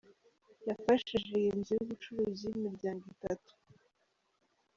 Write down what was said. Yafashe iyi nzu y’ubucuruzi y’imiryango itatu.